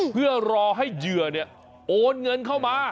เพื่อรอให้เหยื่อโอนเงินเข้ามา